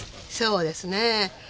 そうですね。